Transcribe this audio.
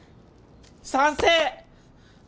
賛成！